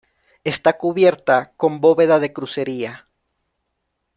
Está cubierta con bóveda de crucería.